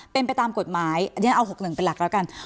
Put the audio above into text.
เป็นไปตามกฎหมายอันนี้เอา๖๑เป็นหลักแล้วกัน